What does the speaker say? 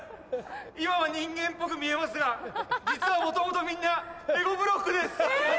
今は人間っぽく見えますが実は元々みんなレゴブロックです。